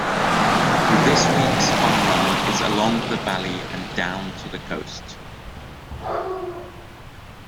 This week's fun run is along the valley and down to the coast.